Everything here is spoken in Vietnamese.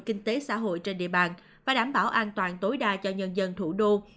kinh tế xã hội trên địa bàn và đảm bảo an toàn tối đa cho nhân dân thủ đô